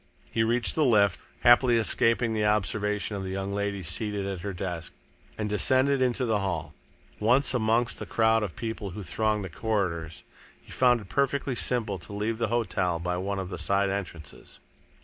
He reached the lift, happily escaping the observation of the young lady seated at her desk, and descended into the hall. Once amongst the crowd of people who thronged the corridors, he found it perfectly simple to leave the hotel by one of the side entrances.